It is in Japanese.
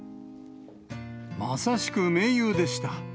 まさしく名優でした。